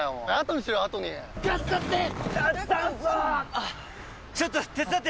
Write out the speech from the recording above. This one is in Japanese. あっちょっと手伝って！